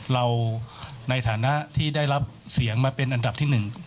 เราในฐานะที่ได้รับเสียงมาเป็นอันดับที่๑